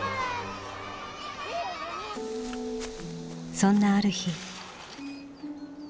そんなある日。